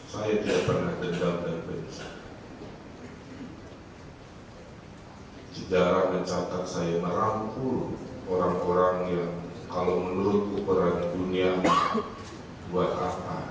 sejarah dan catat saya merampul orang orang yang kalau menurutku peran dunia buat apa